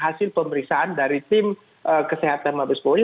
hasil pemeriksaan dari tim kesehatan mabes polri